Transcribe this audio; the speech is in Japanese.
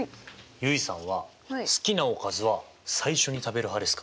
結衣さんは好きなおかずは最初に食べる派ですか？